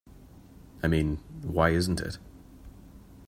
I mean, why isn't it?